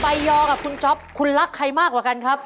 ยอกับคุณจ๊อปคุณรักใครมากกว่ากันครับ